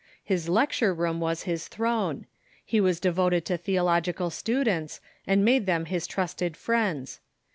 His lecture room was his throne. He was devoted to theological students, and made them his trusted friends.